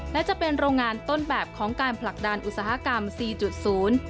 และจะเป็นโรงงานต้นแบบของการผลักดันอุตสาหกรรมสี่จุดศูนย์